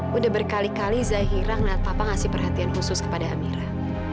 sudah berkali kali zaira ngeliat papa ngasih perhatian khusus kepada amira